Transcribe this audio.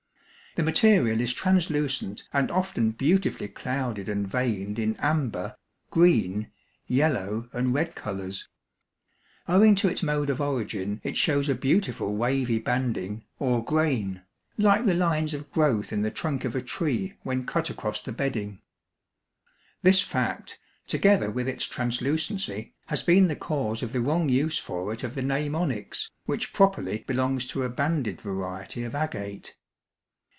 The material is translucent and often beautifully clouded and veined in amber, green, yellow, and red colors. Owing to its mode of origin it shows a beautiful wavy banding, or grain, like the lines of growth in the trunk of a tree when cut across the bedding. This fact, together with its translucency, has been the cause of the wrong use for it of the name onyx, which properly belongs to a banded variety of agate.